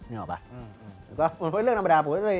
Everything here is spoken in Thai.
เหมือนเรื่องธรรมดา